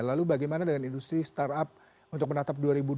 lalu bagaimana dengan industri startup untuk menatap dua ribu dua puluh